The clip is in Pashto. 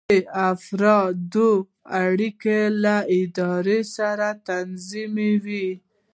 دا د افرادو اړیکې له ادارې سره تنظیموي.